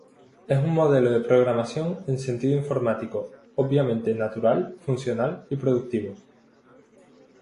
Es un modelo de programación en sentido informático, obviamente natural, funcional y productivo.